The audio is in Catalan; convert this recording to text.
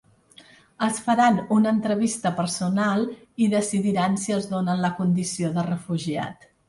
Els faran una entrevista personal i decidiran si els donen la condició de refugiat.